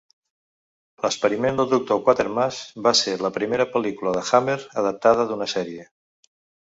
"L'experiment del Dr. Quatermass" va ser la primera pel·lícula de Hammer adaptada d'una sèrie.